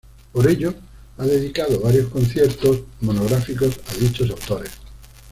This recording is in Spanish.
Por ello ha dedicado varios conciertos monográficos a dichos autores.